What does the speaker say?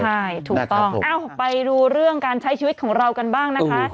ใช่ถูกต้องไปดูเรื่องการใช้ชีวิตของเรากันบ้างนะคะ